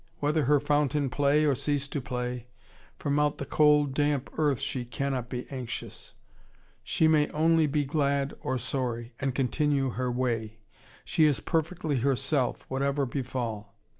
Whether her fountain play or cease to play, from out the cold, damp earth, she cannot be anxious. She may only be glad or sorry, and continue her way. She is perfectly herself, whatever befall!